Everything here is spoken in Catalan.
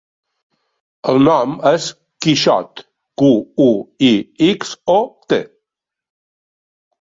El nom és Quixot: cu, u, i, ics, o, te.